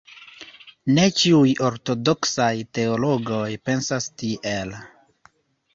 Ne ĉiuj ortodoksaj teologoj pensas tiel.